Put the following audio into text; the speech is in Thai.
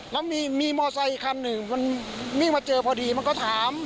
แล้วมีมอไซค์อีกคันหนึ่งมันวิ่งมาเจอพอดีมันก็ถาม